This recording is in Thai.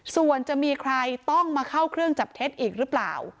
ส่วนจะมีใครต้องมาเข้าเครื่องจับเท็จอีกหรือเปล่า